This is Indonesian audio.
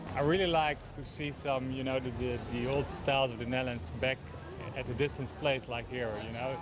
saya sangat suka melihat beberapa stil dari indonesia di tempat yang jauh seperti ini